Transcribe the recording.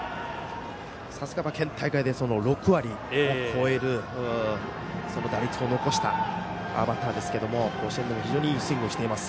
さすがは県大会で６割を超える打率を残したバッターですけども甲子園でも非常にいいスイングをしています。